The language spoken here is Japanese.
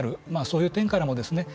そういう点からもですね